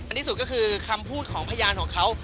อันนี้สุดก็คือคำพูดของพยานของเขา